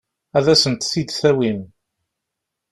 Ad asent-t-id-tawim?